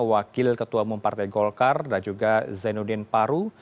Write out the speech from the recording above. wakil ketua bumpartai golkar dan juga zainuddin paru